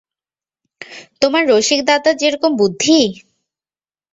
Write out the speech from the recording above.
তোমার রসিকদাদার যেরকম বুদ্ধি!